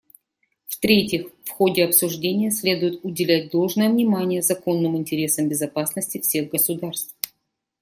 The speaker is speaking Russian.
В-третьих, в ходе обсуждения следует уделять должное внимание законным интересам безопасности всех государств.